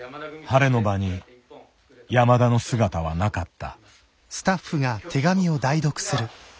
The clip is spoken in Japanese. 晴れの場に山田の姿はなかった。